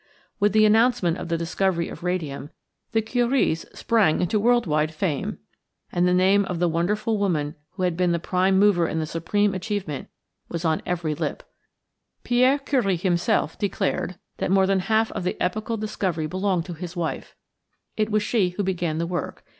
With the announcement of the discovery of radium, the Curies sprang into world wide fame, and the name of the wonderful woman who had been the prime mover in the supreme achievement was on every lip. Pierre Curie himself declared that more than half of the epochal discovery belonged to his wife. It was she who began the work.